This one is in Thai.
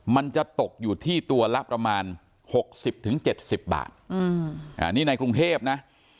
มันจะตกอยู่ที่ตัวละประมาณ๖๐๗๐บาทอันนี้ในกรุงเทพนะ